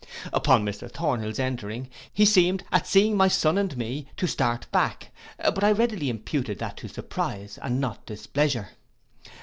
Upon Mr Thornhill's entering, he seemed, at seeing my son and me, to start back; but I readily imputed that to surprize, and not displeasure.